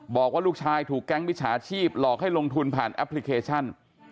บอกว่าลูกชายถูกแก๊งมิจฉาชีพหลอกให้ลงทุนผ่านแอปพลิเคชัน